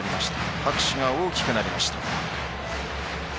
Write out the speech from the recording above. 拍手が大きくなりました。